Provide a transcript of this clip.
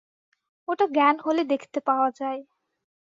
ওটা জ্ঞান হলে দেখতে পাওয়া যায়।